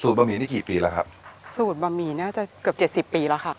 บะหมี่นี่กี่ปีแล้วครับสูตรบะหมี่น่าจะเกือบเจ็ดสิบปีแล้วค่ะ